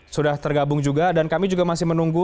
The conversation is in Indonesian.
sudah tergabung juga dan kami juga masih menunggu